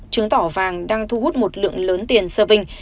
chứng tỏ vàng đang thu hút một lượng lớn tiền serving